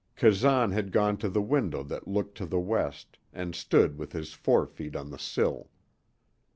Kazan had gone to the window that looked to the west, and stood with his forefeet on the sill.